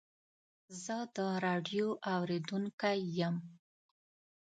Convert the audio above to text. زه د راډیو اورېدونکی یم.